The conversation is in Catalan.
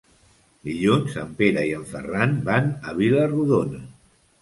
Dilluns en Pere i en Ferran van a Vila-rodona.